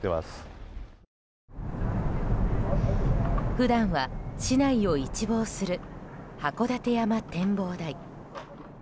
普段は市内を一望する函館山展望台。